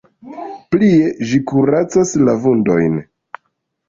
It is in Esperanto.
Plie ĝi kuracas la vundojn.